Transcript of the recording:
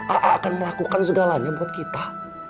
aa akan melakukan segalanya buat kita